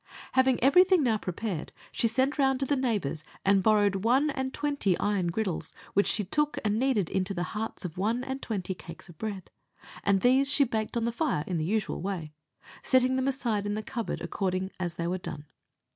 Having everything now prepared, she sent round to the neighbours and borrowed one and twenty iron griddles, which she took and kneaded into the hearts of one and twenty cakes of bread, and these she baked on the fire in the usual way, setting them aside in the cupboard according as they were done.